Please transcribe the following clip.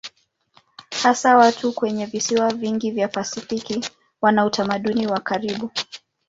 Hasa watu kwenye visiwa vingi vya Pasifiki wana utamaduni wa karibu.